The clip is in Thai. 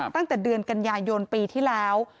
ตั้งแต่เดือนกันยายนปีที่แล้ว